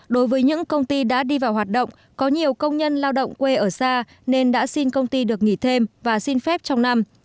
đối với những công ty đã đi vào hoạt động có nhiều công nhân lao động quê ở xa nên đã xin công ty được nghỉ thêm và xin phép trong năm